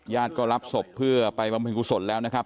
ญาติก็รับศพเพื่อไปบำเพ็ญกุศลแล้วนะครับ